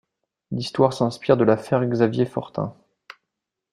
L'histoire s'inspire de l'affaire Xavier Fortin.